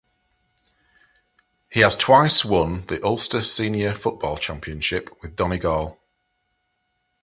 He has twice won the Ulster Senior Football Championship with Donegal.